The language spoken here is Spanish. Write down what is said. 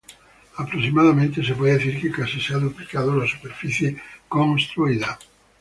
Aproximadamente se puede decir que casi se ha duplicado la superficie construida.